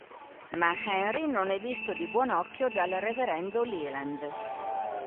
Ma Henry non è visto di buon occhio dal reverendo Leland.